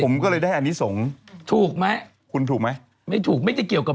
ผมก็เลยได้อันนี้สงฆ์ถูกไหมคุณถูกไหมไม่ถูกไม่ได้เกี่ยวกับ